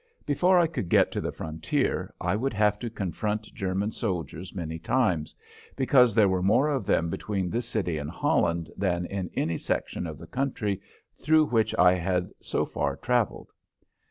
Before I could get to the frontier I would have to confront German soldiers many times, because there were more of them between this city and Holland than in any section of the country through which I had so far traveled.